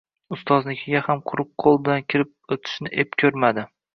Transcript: Ustozinikiga ham quruq qo‘l bilan kirib o‘tishni ep ko‘rmadi.